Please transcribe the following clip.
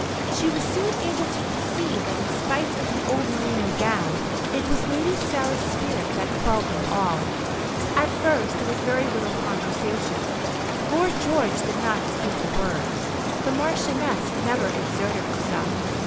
She was soon able to perceive that in spite of the old merino gown, it was Lady Sarah's spirit that quelled them all. At first there was very little conversation. Lord George did not speak a word. The Marchioness never exerted herself.